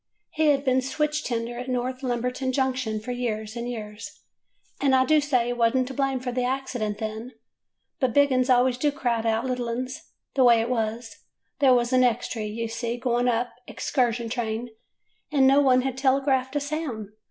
He had been switch tender at North Lumberton Junction for years and years, and I do say he was n't to blame for the accident then; but big 'uns always do crowd out little 'uns. The way it was — there was an extry, you see, going up, a 'xcursion train, and no one had telegraphed a sound.